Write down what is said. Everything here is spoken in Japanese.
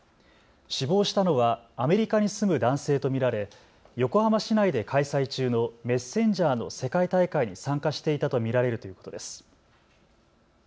死亡したのはアメリカに住む男性と見られ横浜市内で開催中のメッセンジャーの世界大会に参加していたと見られるということです。